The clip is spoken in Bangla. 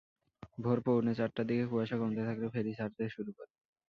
ভোর পৌনে চারটার দিকে কুয়াশা কমতে থাকলে ফেরি ছাড়তে শুরু করে।